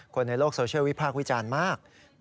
คนในโลกโซเชียลวิพากษ์วิจารณ์มาก